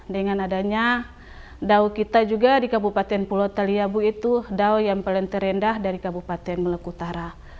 dengan adanya dau kita juga di kabupaten pulau taliabu itu dau yang paling terendah dari kabupaten maluku utara